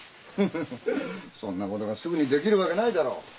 フフフそんなことがすぐにできるわけないだろう。